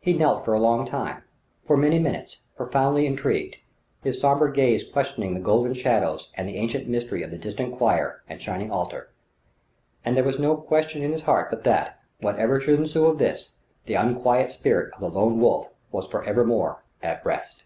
He knelt for a long time, for many minutes, profoundly intrigued, his sombre gaze questioning the golden shadows and ancient mystery of the distant choir and shining altar: and there was no question in his heart but that, whatever should ensue of this, the unquiet spirit of the Lone Wolf was forevermore at rest.